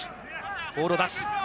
ボールを出す。